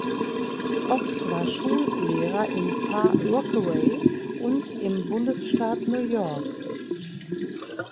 Ochs war Schullehrer in Far Rockaway und im Bundesstaat New York.